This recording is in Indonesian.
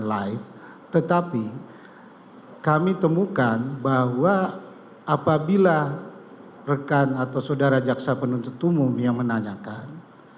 live tetapi kami temukan bahwa apabila rekan atau saudara jaksa penuntut umum yang menanyakan